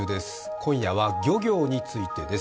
今夜は漁業についてです。